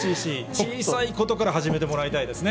小さいことから始めてもらいたいですね。